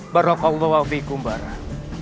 barakallahu wa fiikum barak